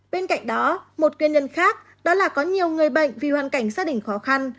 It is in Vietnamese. bên cạnh đó một nguyên nhân khác đó là có nhiều người bệnh vì hoàn cảnh gia đình khó khăn